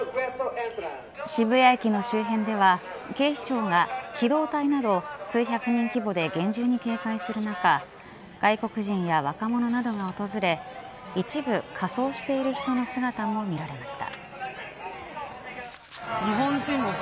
渋谷駅の周辺では警視庁が機動隊など数百人規模で厳重に警戒する中外国人や若者などが訪れ一部、仮装している人の姿も見られました。